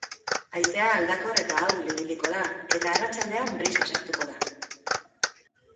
Haizea aldakor eta ahul ibiliko da eta arratsaldean brisa sartuko da.